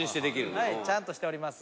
はいちゃんとしております。